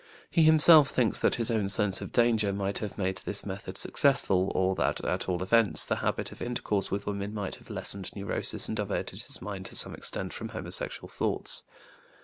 He himself thinks that his own sense of danger might have made this method successful, or that, at all events, the habit of intercourse with women might have lessened neurosis and diverted his mind to some extent from homosexual thoughts.